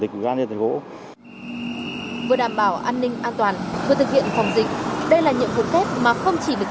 vừa đảm bảo an ninh an toàn vừa thực hiện phòng dịch